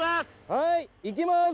はいいきます！